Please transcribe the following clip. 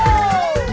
terima kasih komandan